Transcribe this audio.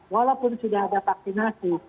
walaupun sudah ada vaksinasi